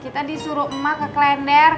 kita disuruh emak ke klender